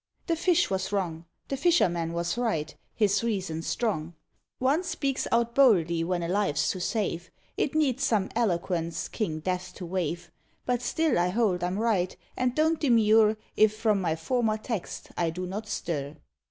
The fish was wrong; The fisherman was right, his reason strong. One speaks out boldly when a life's to save; It needs some eloquence King Death to waive; But still I hold I'm right, and don't demur, If from my former text I do not stir.